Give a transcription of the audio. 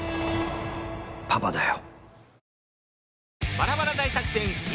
「パパだよ」